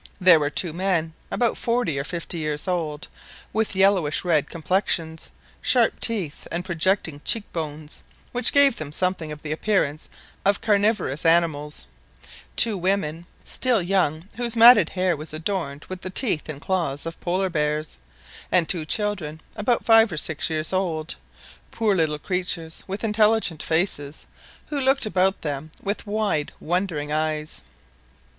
There were two men, about forty or fifty years old, with yellowish red complexions, sharp teeth, and projecting cheek bones, which gave them something of the appearance of carnivorous animals; two women, still young whose matted hair was adorned with the teeth and claws of Polar bears; and two children, about five or six years old, poor little creatures with intelligent faces, who looked about them with wide wondering eyes.